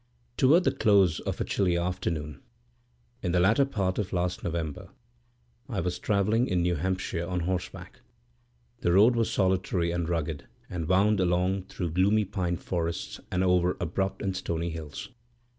Towards the close of a chilly afternoon, in the latter part of last November, I was travelling in New Hampshire on horseback. The road was solitary and rugged, and wound along through gloomy pine forests and over abrupt and stony hills.